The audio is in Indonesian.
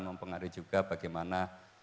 mempengaruhi juga bagaimana